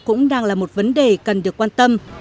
cũng đang là một vấn đề cần được quan tâm